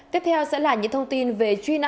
tiếp theo sẽ là những thông tin về truy nã tội phạm